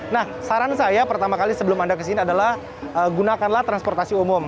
nah saran saya pertama kali sebelum anda kesini adalah gunakanlah transportasi umum